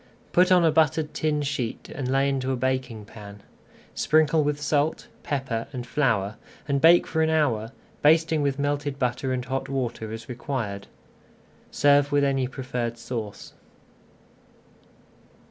Put on a buttered tin sheet and lay into a baking pan. Sprinkle with salt, pepper, and flour and bake for an hour, basting with melted butter and hot water as required. Serve with any preferred sauce.